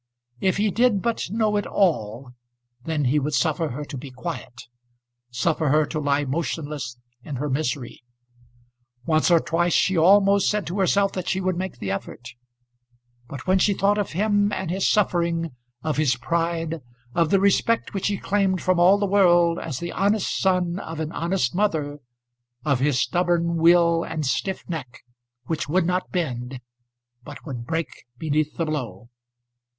If he did but know it all, then he would suffer her to be quiet, suffer her to lie motionless in her misery! Once or twice she almost said to herself that she would make the effort; but when she thought of him and his suffering, of his pride, of the respect which he claimed from all the world as the honest son of an honest mother, of his stubborn will and stiff neck, which would not bend, but would break beneath the blow.